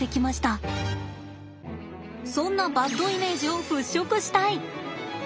そんなバッドイメージを払拭したい！